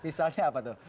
misalnya apa tuh